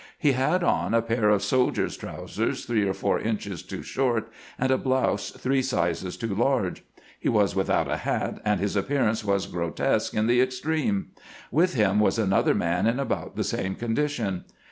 He had on a pair of soldier's trousers three or four inches too short, and a blouse three sizes too large ; he was without a hat, and his appearance was grotesque in the extreme. With him was another man in about the same condition.